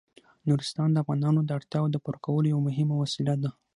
نورستان د افغانانو د اړتیاوو د پوره کولو یوه مهمه وسیله ده.